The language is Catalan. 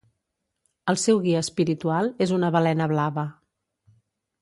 El seu guia espiritual és una balena blava.